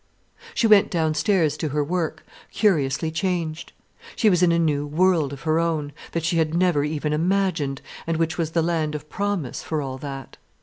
She went downstairs to her work, curiously changed. She was in a new world of her own, that she had never even imagined, and which was the land of promise for all that.